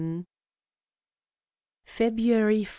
February 14.